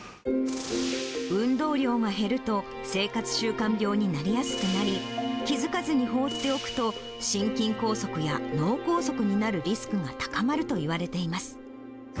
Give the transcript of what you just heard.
運動量が減ると、生活習慣病になりやすくなり、気付かずに放っておくと、心筋梗塞や脳梗塞になるリスクが高まるといわれています。